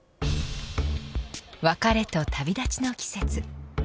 別れと旅立ちの季節。